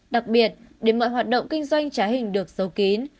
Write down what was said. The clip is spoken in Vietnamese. đặc biệt để mọi hoạt động kinh doanh trá hình được sâu kín